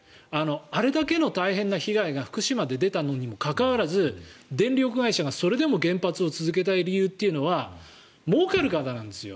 あれだけの大変な被害が福島で出たにもかかわらず電力会社がそれでも原発を続けたい理由というのはもうかるからなんですよ